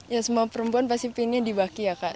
ya semua perempuan pasti pengen dibaki ya kak